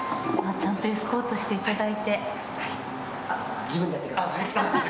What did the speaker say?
ちゃんとエスコートしていただいて。